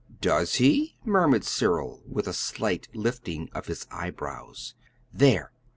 "Does he?" murmured Cyril, with a slight lifting of his eyebrows. "There!